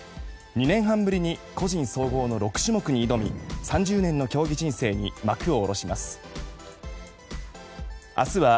２年半ぶりに個人総合の６種目に挑み３０年の競技人生に幕を下ろします。